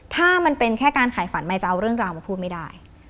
ถ้ามันเป็นแค่การขายฝันไมค์จะเอาเรื่องราวมาพูดไม่ได้